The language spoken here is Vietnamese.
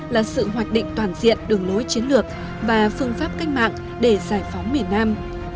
là sự hoạch định toàn diện đường lối chiến lược và phương pháp cách mạng để giải phóng miền nam